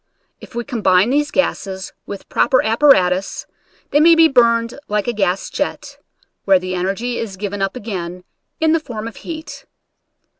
If we combine these gases with proper apparatus they may be burned like a gas jet, where the energy is given up again in the form of heat.